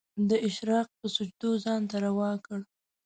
د اشراق په سجدو ځان ته روا کړ